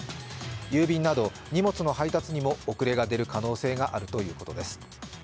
郵便など荷物の配達にも遅れが出る可能性もあるということです。